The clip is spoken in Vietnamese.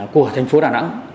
của thành phố đà nẵng